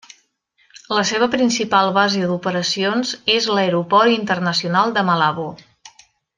La seva principal base d'operacions és l'Aeroport Internacional de Malabo.